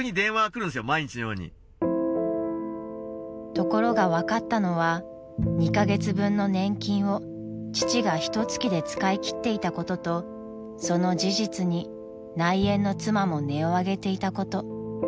［ところが分かったのは２カ月分の年金を父がひとつきで使い切っていたこととその事実に内縁の妻も音を上げていたこと］